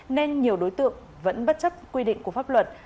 nên nhiều đối tượng vẫn bất chấp quy định của pháp luật